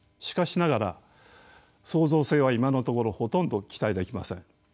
しかしながら創造性は今のところほとんど期待できません。